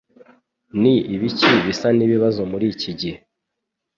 Ni ibiki bisa n'ibibazo muri iki gihe